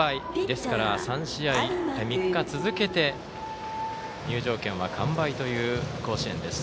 ですから、３日続けて入場券は完売という甲子園です。